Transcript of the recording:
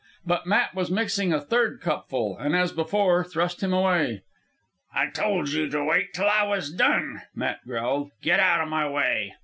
But Matt was mixing a third cupful, and, as before, thrust him away. "I told you to wait till I was done," Matt growled. "Get outa my way."